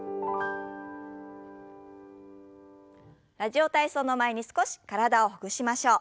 「ラジオ体操」の前に少し体をほぐしましょう。